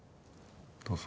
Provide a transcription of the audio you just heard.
どうぞ。